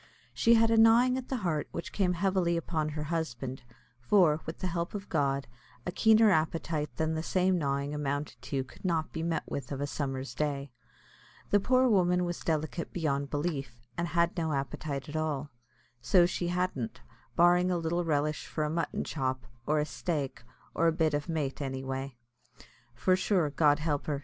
She had a gnawing at the heart which came heavily upon her husband; for, with the help of God, a keener appetite than the same gnawing amounted to could not be met with of a summer's day. The poor woman was delicate beyond belief, and had no appetite at all, so she hadn't, barring a little relish for a mutton chop, or a "staik," or a bit o' mait, anyway; for sure, God help her!